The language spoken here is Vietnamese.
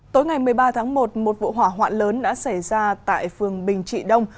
tối ngày một mươi ba tháng một một vụ hỏa hoạn lớn đã xảy ra tại phường bình trị đông